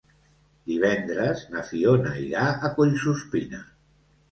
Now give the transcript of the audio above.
Divendres na Fiona irà a Collsuspina.